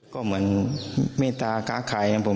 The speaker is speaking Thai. ก็เหมือนมีตาก้าไขนัตผม